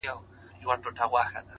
پسله كلونه چي جانان تـه ورځـي،